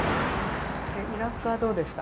裏側どうですか？